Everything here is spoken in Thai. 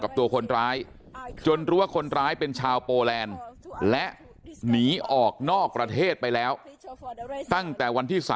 กับตัวคนร้ายจนรู้ว่าคนร้ายเป็นชาวโปแลนด์และหนีออกนอกประเทศไปแล้วตั้งแต่วันที่๓